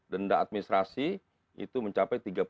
denda administrasi itu mencapai tiga puluh satu tiga ratus dua